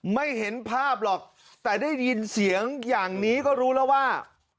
ไม่เห็นภาพหรอกแต่ได้ยินเสียงอย่างนี้ก็รู้แล้วว่า